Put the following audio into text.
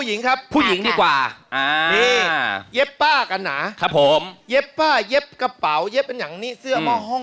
เย็บป้ากันนะเย็บป้าเย็บกระเป๋าเย็บอันอย่างนี้เสื้อม่อห้อม